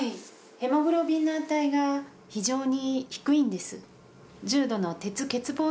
ヘモグロビンの値が非常に低いんです。